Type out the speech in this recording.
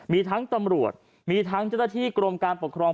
มีทั้งตำรวจมีทั้งเจ้าหน้าที่กรมการปกครอง